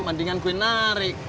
mendingan gue narik